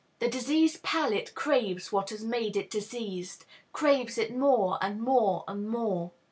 The diseased palate craves what has made it diseased, craves it more, and more, and more.